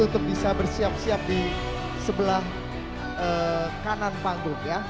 untuk bisa bersiap siap di sebelah kanan panggung ya